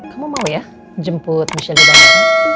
kamu mau ya jemput michelle di balik